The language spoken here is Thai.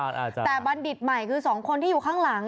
แต่บัณฑิตใหม่คือสองคนที่อยู่ข้างหลัง